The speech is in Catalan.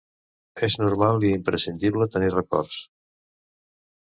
És normal i imprescindible tenir records.